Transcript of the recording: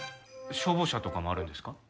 消防車とかもあるんですか？